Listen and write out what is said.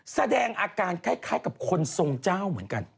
แสดงอาการคล้ายกับคนทรงเจ้าเหมือนกัน